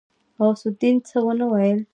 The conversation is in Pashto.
غوث الدين څه ونه ويل.